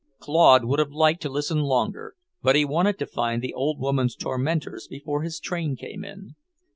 Claude would have liked to listen longer, but he wanted to find the old woman's tormentors before his train came in.